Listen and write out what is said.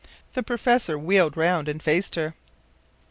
The professor wheeled round and faced her.